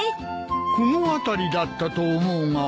この辺りだったと思うが。